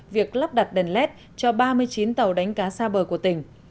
việc lắp đặt đèn led cho ba mươi chín tàu đánh cá xa bờ của tỉnh